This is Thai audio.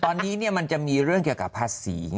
ตอนนี้มันจะมีเรื่องเกี่ยวกับภาษีไง